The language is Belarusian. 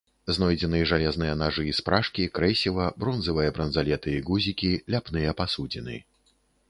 Знойдзены жалезныя нажы і спражкі, крэсіва, бронзавыя бранзалеты і гузікі, ляпныя пасудзіны.